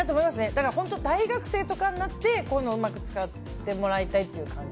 だから大学生とかになってこういうのを、うまく使ってもらいたいという感じ。